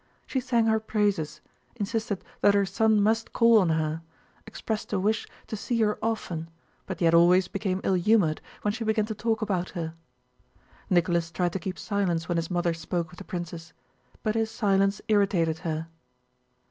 She sang her praises, insisted that her son must call on her, expressed a wish to see her often, but yet always became ill humored when she began to talk about her. Nicholas tried to keep silence when his mother spoke of the princess, but his silence irritated her.